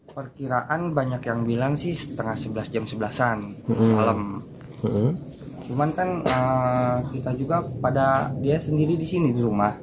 karena kan kita juga pada dia sendiri di sini di rumah